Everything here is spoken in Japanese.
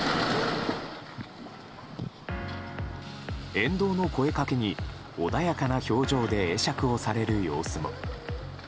沿道の声掛けに穏やかな表情で会釈をされる様子も。